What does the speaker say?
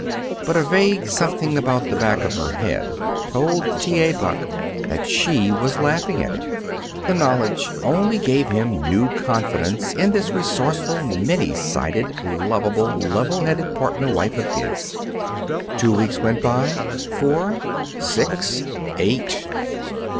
But a vague something about the back of her head told T. A. Buck that she was laughing at him. The knowledge only gave him new confidence in this resourceful, many sided, lovable, level headed partner wife of his. Two weeks went by four six eight.